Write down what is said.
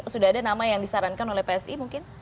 sudah ada nama yang disarankan oleh psi mungkin